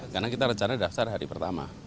karena kita recana daftar hari pertama